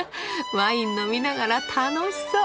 ワイン飲みながら楽しそう。